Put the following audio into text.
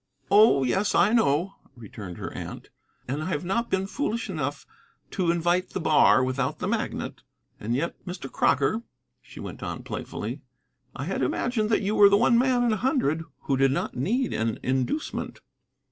"Oh yes, I know," returned her aunt, "and I have not been foolish enough to invite the bar without the magnet. And yet, Mr. Crocker," she went on playfully, "I had imagined that you were the one man in a hundred who did not need an inducement."